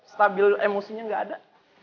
stabil emosinya gak ada